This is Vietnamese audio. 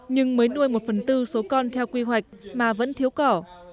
nhưng mới nuôi một phần tư số con theo quy hoạch mà vẫn thiếu cỏ